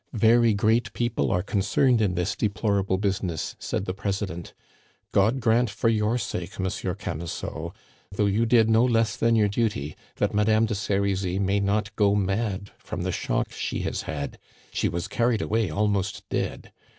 'Very great people are concerned in this deplorable business,' said the President. 'God grant for your sake, Monsieur Camusot, though you did no less than your duty, that Madame de Serizy may not go mad from the shock she has had. She was carried away almost dead.